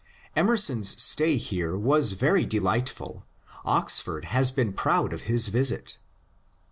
Emerson's stay here was very delightful. Oxford has been proud of his visit.